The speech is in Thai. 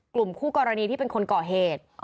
กลุ่มคู่กรณีที่เป็นคนก่อเหตุ